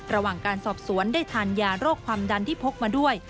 ระหว่างการสอบสวนได้ทานยาโรคความดันที่พกมาด้วย